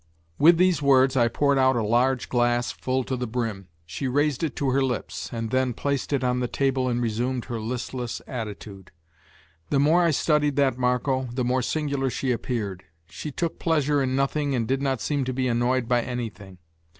With these words I poured out a large glass full to the brim. She raised it to her lips, and then placed it on the table and resumed her listless attitude. The more I studied that Marco, the more singular she appeared; she took pleasure in nothing and did not seem to be annoyed by anything.